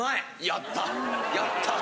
やった！